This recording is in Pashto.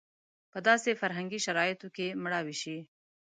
په داسې فرهنګي شرایطو کې مړاوې شي.